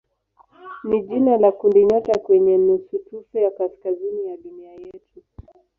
ni jina la kundinyota kwenye nusutufe ya kaskazini ya dunia yetu.